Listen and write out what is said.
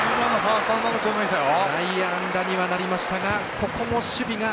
内野安打にはなりましたがここも守備が。